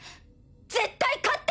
絶対勝って！